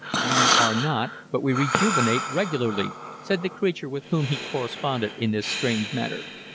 "We are not, but we rejuvenate regularly," said the creature with whom he corresponded in this strange manner.